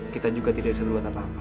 kita juga tidak bisa berdua tanpa apa